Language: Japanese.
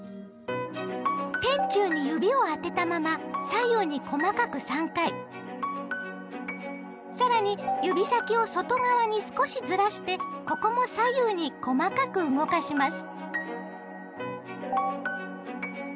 天柱に指を当てたまま更に指先を外側に少しずらしてここも左右に細かく動かします。